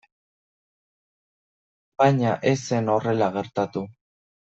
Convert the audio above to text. Baina ez zen horrela gertatu.